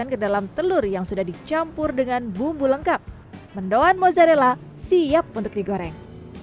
ke dalam telur yang sudah dicampur dengan bumbu lengkap mendoan mozzarella siap untuk digoreng